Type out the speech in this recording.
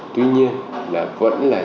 tuy nhiên vẫn là